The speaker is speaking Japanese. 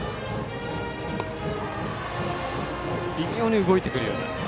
微妙に動いてくるような。